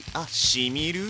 しみる！